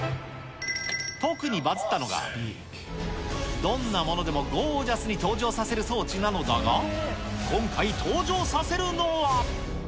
特にバズったのが、どんなものでもゴージャスに登場させる装置なのだが、今回登場させるのは。